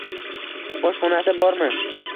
Oshxonasi bormi?